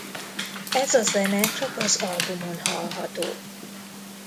Ez a zene csak az albumon hallható.